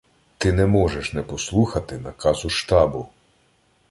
Ти не можеш не послухати наказу штабу.